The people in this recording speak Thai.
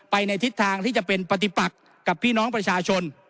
ในทิศทางที่จะเป็นปฏิปักกับพี่น้องประชาชน